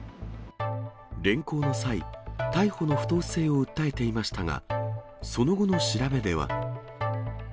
連行の際、逮捕の不当性を訴えていましたが、その後の調べでは。